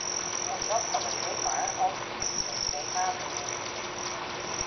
En dat kan alleen maar als we niet met twee maten meten.